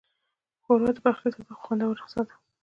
ښوروا د پخلي ساده خو خوندوره نسخه ده.